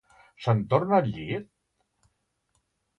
Se'n tornà al llit?